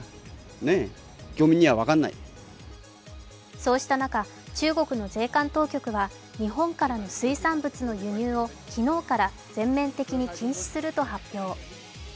そうした中、中国の税関当局は日本からの水産物の輸入を昨日から全面的に禁止すると発表。